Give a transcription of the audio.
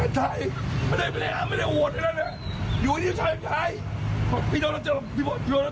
ใจเย็นพี่